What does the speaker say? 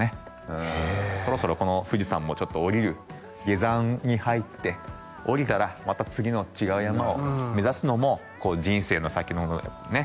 へえそろそろこの富士山もちょっと下りる下山に入って下りたらまた次の違う山を目指すのも人生の先のね